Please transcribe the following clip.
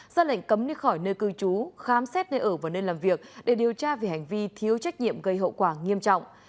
ra lệnh cấm đi khỏi nơi cư trú khám xét nơi ở và nơi làm việc để điều tra về hành vi thiếu trách nhiệm gây hậu quả nghiêm trọng